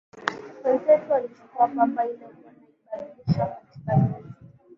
wenzetu wakichukua pamba ile wanaibadilisha katika nyuzi